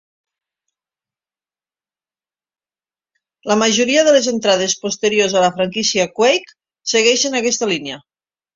La majoria de les entrades posteriors a la franquícia "Quake" segueixen aquesta línia.